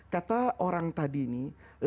kata orang tadi ini